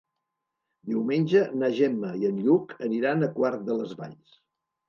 Diumenge na Gemma i en Lluc aniran a Quart de les Valls.